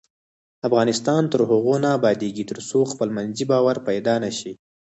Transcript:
افغانستان تر هغو نه ابادیږي، ترڅو خپلمنځي باور پیدا نشي.